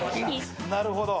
なるほど。